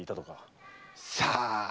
さあ？